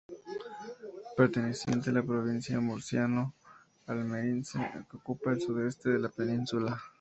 Perteneciente a la Provincia Murciano-Almeriense, que ocupa el sudeste de la península.